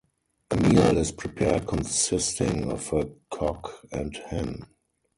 A meal is prepared consisting of a cock and hen.